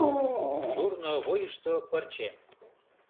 Шурно вуйышто пырче